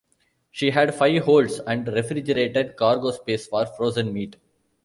She had five holds and refrigerated cargo space for frozen meat.